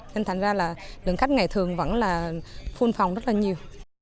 nên thành ra là lượng khách ngày thường vẫn là phun phòng rất là nhiều